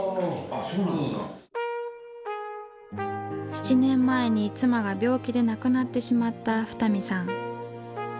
７年前に妻が病気で亡くなってしまった二見さん。